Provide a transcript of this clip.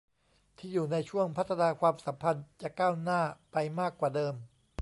ที่อยู่ในช่วงพัฒนาความสัมพันธ์จะก้าวหน้าไปมากกว่าเดิม